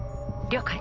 了解。